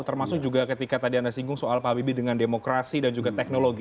termasuk juga ketika tadi anda singgung soal pak habibie dengan demokrasi dan juga teknologi